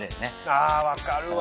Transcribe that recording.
あ分かるわ。